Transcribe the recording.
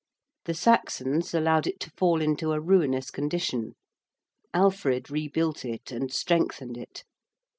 The Saxons allowed it to fall into a ruinous condition. Alfred rebuilt it and strengthened it.